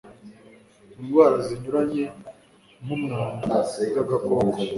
indwara zinyuranye nk'ubwanda bw'agakoko